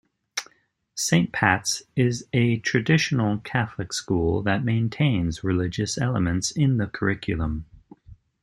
"Saint Pat's" is a traditional Catholic school that maintains religious elements in the curriculum.